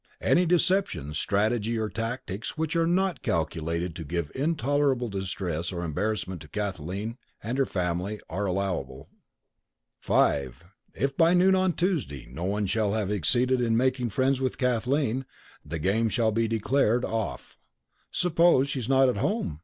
Any deception, strategy, or tactics which are not calculated to give intolerable distress or embarrassment to Kathleen and her family, are allowable. "5. If by noon on Tuesday no one shall have succeeded in making friends with Kathleen, the game shall be declared off." "Suppose she's not at home?"